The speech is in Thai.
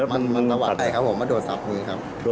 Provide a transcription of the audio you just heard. มันตะวัดไปครับผมมาโดดสับมือครับ